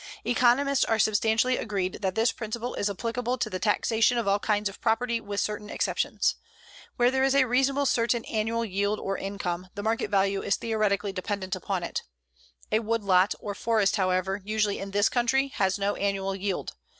Economists are substantially agreed that this principle is applicable to the taxation of all kinds of property with certain exceptions. Where there is a reasonably certain annual yield or income the market value is theoretically dependent upon it. A woodlot or forest, however, usually in this country has no annual yield.